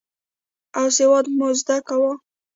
او سواد به مو زده کاوه.